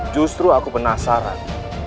justru aku penasaran